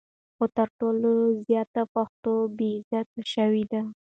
خو تر ټولو زیات پښتون بې عزته شوی دی.